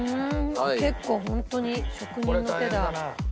あっ結構ホントに職人の手だ。